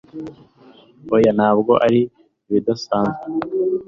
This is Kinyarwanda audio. Oya ntabwo ari ibidasanzwe